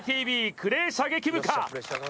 クレー射撃部か。